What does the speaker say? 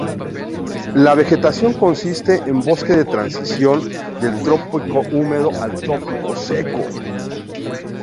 La vegetación consiste en bosque de transición del trópico húmedo al trópico seco.